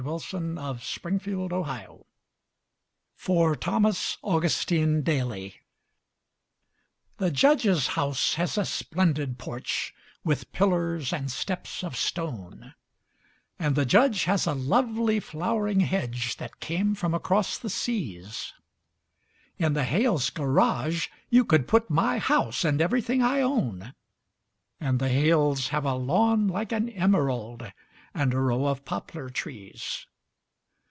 The Snowman in the Yard (For Thomas Augustine Daly) The Judge's house has a splendid porch, with pillars and steps of stone, And the Judge has a lovely flowering hedge that came from across the seas; In the Hales' garage you could put my house and everything I own, And the Hales have a lawn like an emerald and a row of poplar trees.